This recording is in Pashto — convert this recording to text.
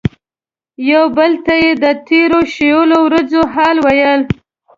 یو بل ته یې د تیرو شویو ورځو حال ویلو.